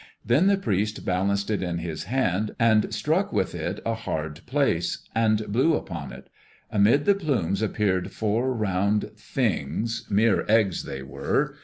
Then the priest balanced it in his hand, and struck with it a hard place, and blew upon it. Amid the plumes appeared four round things mere eggs they were.